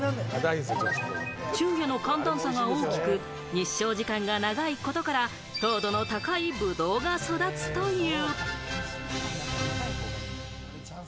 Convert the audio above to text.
昼夜の寒暖差が大きく、日照時間が長いことから糖度の高いブドウが育つという。